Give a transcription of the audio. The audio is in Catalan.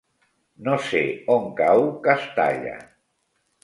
No sé on cau Castalla.